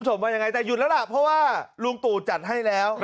ว่ายังไงแต่หยุดแล้วล่ะเพราะว่าลุงตู่จัดให้แล้ว